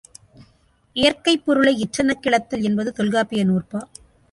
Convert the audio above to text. இயற்கைப் பொருளை இற்றெனக் கிளத்தல் என்பது தொல்காப்பிய நூற்பா.